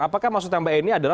apakah maksudnya mbak edy